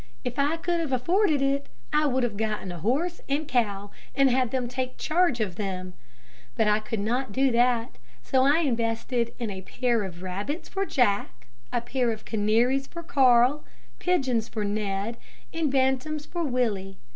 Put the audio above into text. If I could have afforded it, I would have gotten a horse and cow, and had them take charge of them; but I could not do that, so I invested in a pair of rabbits for Jack, a pair of canaries for Carl, pigeons for Ned, and bantams for Willie.